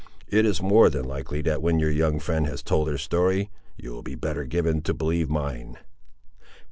It is more than likely that when your young friend has told her story, you will be better given to believe mine.